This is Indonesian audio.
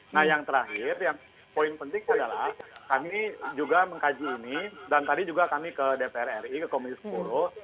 nah yang terakhir yang poin penting adalah kami juga mengkaji ini dan tadi juga kami ke dpr ri ke komisi sepuluh